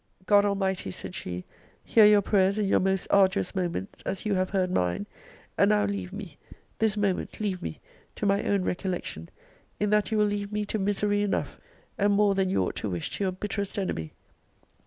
God Almighty, said she, hear your prayers in your most arduous moments, as you have heard mine! and now leave me, this moment leave me, to my own recollection: in that you will leave me to misery enough, and more than you ought to wish to your bitterest enemy.